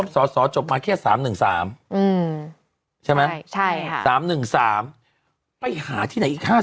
สสจบมาแค่๓๑๓ใช่ไหม๓๑๓ไปหาที่ไหนอีก๕๐